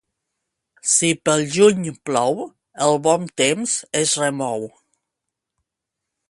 Si pel juny plou, el bon temps es remou.